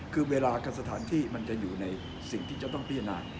คือเวลากับสถานที่มันจะอยู่ในสิ่งที่จะต้องพิจารณา